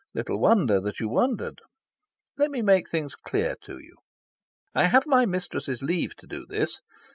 Little wonder that you wondered! Let me make things clear to you. I have my mistress' leave to do this.